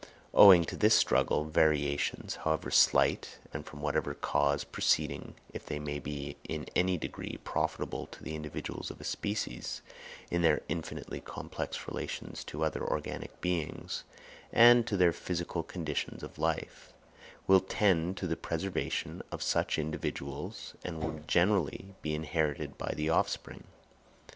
Owing to this struggle, variations, however slight and from whatever cause proceeding, if they be in any degree profitable to the individuals of a species, in their infinitely complex relations to other organic beings and to their physical conditions of life, will tend to the preservation of such individuals, and will generally be inherited by the offspring.